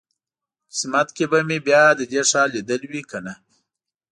قسمت کې به مې بیا د دې ښار لیدل وي کنه.